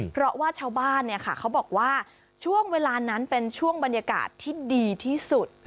เพราะว่าชาวบ้านเขาบอกว่าช่วงเวลานั้นเป็นช่วงบรรยากาศที่ดีที่สุด